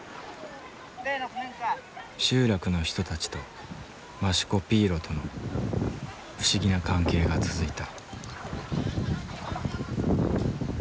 集落の人たちとマシュコピーロとの不思議な関係が続いた。